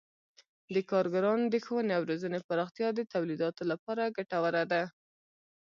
د کارګرانو د ښوونې او روزنې پراختیا د تولیداتو لپاره ګټوره ده.